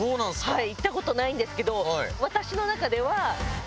はい。